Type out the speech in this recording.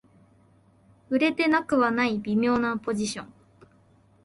売れてなくはない微妙なポジション